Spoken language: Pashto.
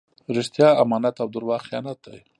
رښتیا امانت او درواغ خیانت دئ.